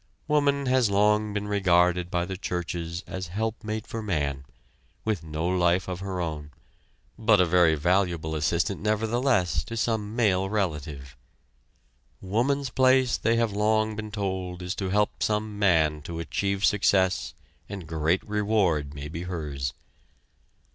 Woman has long been regarded by the churches as helpmate for man, with no life of her own, but a very valuable assistant nevertheless to some male relative. Woman's place they have long been told is to help some man to achieve success and great reward may be hers.